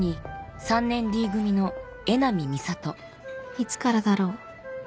いつからだろう